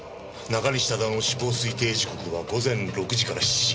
中西忠雄の死亡推定時刻は午前６時から７時。